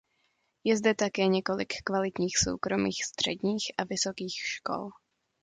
Je zde také několik kvalitních soukromých středních a vysokých škol.